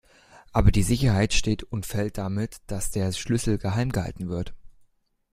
Aber die Sicherheit steht und fällt damit, dass der Schlüssel geheim gehalten wird.